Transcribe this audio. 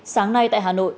sáng nay tại hà nội